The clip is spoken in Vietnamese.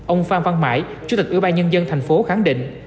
ông phan văn mãi chủ tịch ủy ban nhân dân thành phố khẳng định